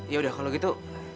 yaudah kalau gitu